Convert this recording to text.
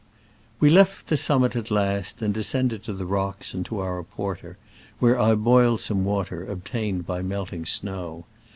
We left the summit at last, and de scended to the rocks and to our porter, where I boiled some water, obtained by melting snow.